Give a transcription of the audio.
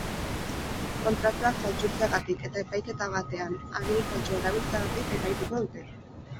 Kontratuak faltsutzeagatik eta epaiketa batean agiri faltsua erabiltzeagatik epaituko dute.